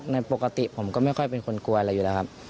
ในปกติผมก็ไม่ค่อยเป็นคนกลัวอะไรอยู่แล้วครับ